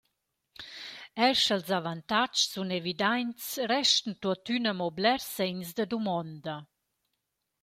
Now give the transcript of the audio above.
Eir scha’ls avantags sun evidaints, restan tuottüna amo blers segns da dumonda.